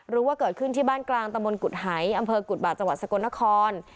รู้ว่าเกิดขึ้นที่บ้านกลางตะมนตกุฎหายอำเภอกุฎบาทจังหวัดสกลนคร